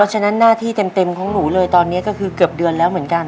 ฉะนั้นหน้าที่เต็มของหนูเลยตอนนี้ก็คือเกือบเดือนแล้วเหมือนกัน